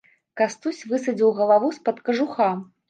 Кастусь высадзіў галаву з-пад кажуха.